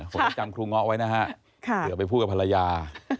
ผมจะจำครูงอ๊อกไว้นะครับเดี๋ยวไปพูดกับภรรยา